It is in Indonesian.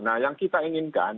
nah yang kita inginkan